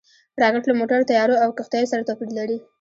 راکټ له موټرو، طیارو او کښتیو سره توپیر لري